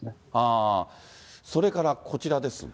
それからこちらですが。